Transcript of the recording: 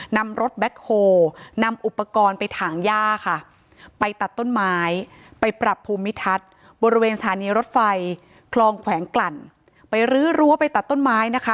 นำรถแบ็คโฮลนำอุปกรณ์ไปถางย่าค่ะไปตัดต้นไม้ไปปรับภูมิทัศน์บริเวณสถานีรถไฟคลองแขวงกลั่นไปรื้อรั้วไปตัดต้นไม้นะคะ